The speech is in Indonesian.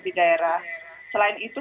di daerah selain itu